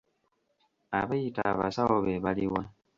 Abeeyita abasawo be baliwa?